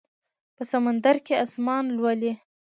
په سمندر کې اسمان لولي